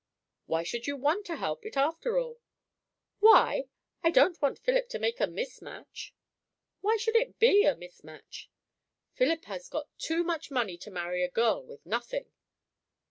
"Why should you want to help it, after all?" "Why? I don't want Philip to make a mis match." "Why should it be a mis match?" "Philip has got too much money to marry a girl with nothing."